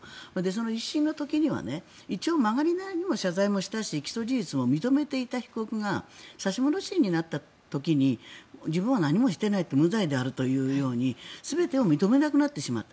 その１審の時には一応、曲がりなりにも謝罪もしたし起訴事実も認めていた被告が差し戻し審になった時自分は何もしていないと無罪であるというように全てを認めなくなってしまう。